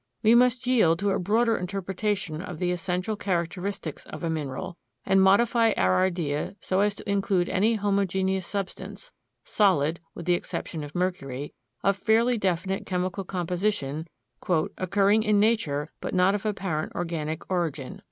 We must yield to a broader interpretation of the essential characteristics of a mineral and modify our idea so as to include any homogeneous substance (solid, with the single exception of mercury) of fairly definite chemical composition "occurring in nature but not of apparent organic origin."